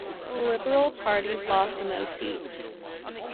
The liberal parties lost the most seats.